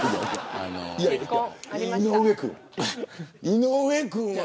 井上君。